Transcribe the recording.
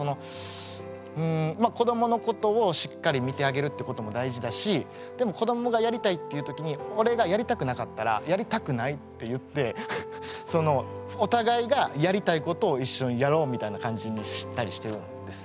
子どものことをしっかり見てあげるってことも大事だしでも子どもがやりたいっていう時に俺がやりたくなかったら「やりたくない」って言ってお互いがやりたいことを一緒にやろうみたいな感じにしたりしてるんですよ。